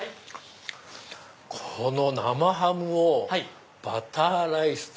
生ハムをバターライスで。